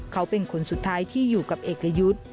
เขาเป็นคนสุดท้ายที่อยู่กับเอกยุทธ์